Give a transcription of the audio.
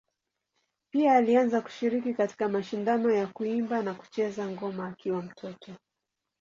Pia alianza kushiriki katika mashindano ya kuimba na kucheza ngoma akiwa mtoto.